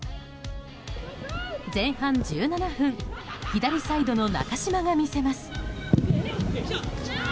前半１７分左サイドの中嶋が見せます。